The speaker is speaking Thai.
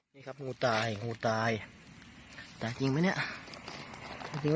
งูตายงูตายตายจริงไหมเนี่ยจริงไหมเนี่ย